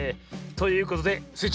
ということでスイ